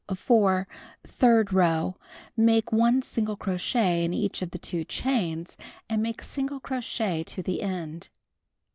4. Third row: Make 1 single crochet in each of the 2 chains, and make single crochet to the end.